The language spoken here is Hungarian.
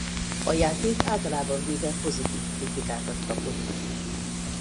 A játék általában véve pozitív kritikákat kapott.